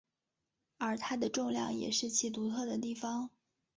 而它的重量也是其独特的地方。